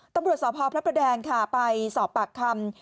ตำรวจสพพระประแดงค่ะไปสอบปากคำ